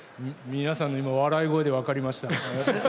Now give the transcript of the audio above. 皆さんの笑い声で分かりました。